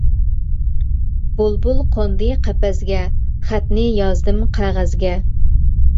بۇلبۇل قوندى قەپەسكە، خەتنى يازدىم قەغەزگە.